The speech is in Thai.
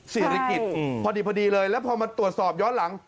สี่ฤกษ์กิจพอดีเลยแล้วพอมาตรวจสอบย้อนหลัง